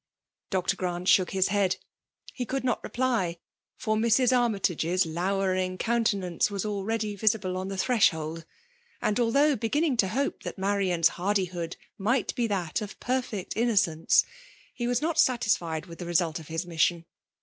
'' Dr. Ghrant shook his head. He could not reply, for Mrs. Armytage's lowering ooun* tenance was already visible on the thrediold. 340 FVMALR DOMINATION. Und although heginning to hope that Marian's haid8K>od might he diat of perfect inoo* eence, he was not satisfied with the result of his mission.